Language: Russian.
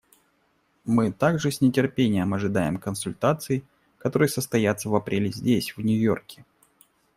Мы также с нетерпением ожидаем консультаций, которые состоятся в апреле здесь, в Нью-Йорке.